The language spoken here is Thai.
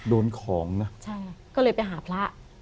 โดนของนะใช่ก็เลยไปหาพระ